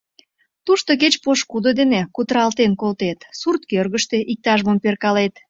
Тушто кеч пошкудо дене кутыралтен колтет, сурткӧргыштӧ иктаж-мом перкалет.